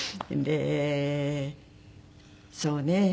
でそうね。